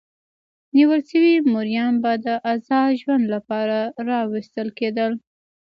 نیول شوي مریان به د ازاد ژوند لپاره راوستل کېدل.